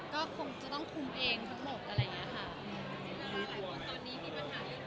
ก็คงจะต้องคุ้มเองทั้งหมดอะไรอย่างเงี้ยค่ะ